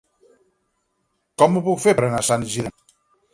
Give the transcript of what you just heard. Com ho puc fer per anar a Sant Isidre amb tren?